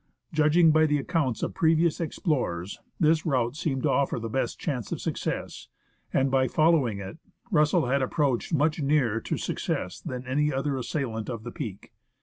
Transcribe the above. Judging by the accounts of previous explorers, this route seemed to offer the best chance of success, and by following it, Russell had approached much nearer to success than any other assailant of the peak.